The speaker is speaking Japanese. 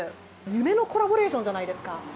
夢のコラボレーションじゃないですか。